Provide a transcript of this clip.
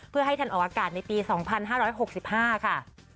เพื่อให้ทันออกอากาศในปี๒๕๖๕ค่ะ